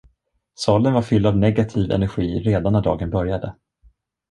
Salen var fylld av negativ energi redan när dagen började.